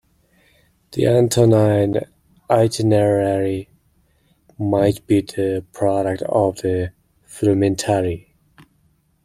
The Antonine Itinerary might be the product of the frumentarii.